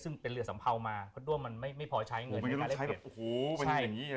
ซึ่งเป็นเรือสัมเภามาพลดร่วมมันไม่พอใช้เงินในการแลกเปลี่ยน